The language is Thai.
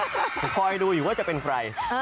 คอยดูอยู่ว่าจะเป็นใคร